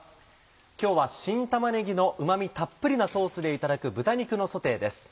今日は新玉ねぎのうまみたっぷりなソースでいただく「豚肉のソテー」です。